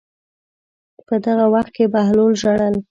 په دغه وخت کې بهلول ژړل.